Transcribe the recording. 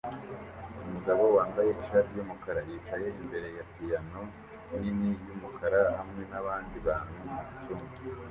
Umugabo wambaye ishati yumukara yicaye imbere ya piyano nini yumukara hamwe nabandi bantu mucyumba